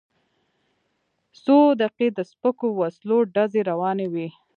څو دقیقې د سپکو وسلو ډزې روانې وې.